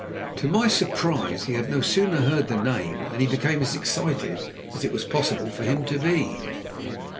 To my surprise, he had no sooner heard the name than he became as excited as it was possible for him to be.